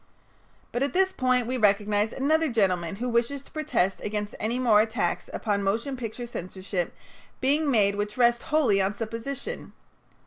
But at this point we recognize another gentleman who wishes to protest against any more attacks upon motion picture censorship being made which rest wholly on supposition.